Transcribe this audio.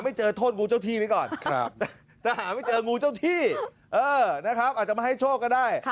ว่าจบไม่ได้